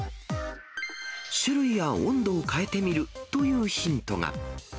種類や温度を変えてみるというヒントが。